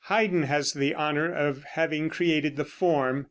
Haydn has the honor of having created the form.